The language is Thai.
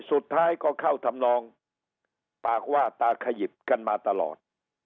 สุดท้ายก็เข้าทำนองปากว่าตาขยิบกันมาตลอด